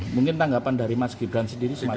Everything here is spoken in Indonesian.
mungkin tanggapan dari mas gibran sendiri